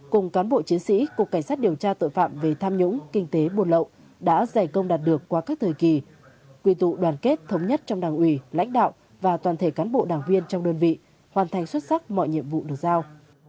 cùng cán bộ chiến sĩ cục cảnh sát điều tra tội phạm về tham nhũng kinh tế buồn lậu đã giải công đạt được qua các thời kỳ quy tụ đoàn kết thống nhất trong đảng ủy lãnh đạo và toàn thể cán bộ đảng viên trong đơn vị hoàn thành xuất sắc mọi nhiệm vụ được giao